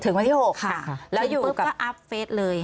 ถึงวันที่หกค่ะค่ะแล้วอยู่กับถึงปุ๊บก็อัพเฟสเลย